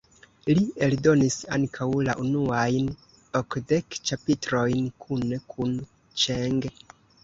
Li eldonis ankaŭ la unuajn okdek ĉapitrojn kune kun Ĉeng.